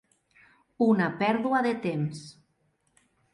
Una pèrdua de temps.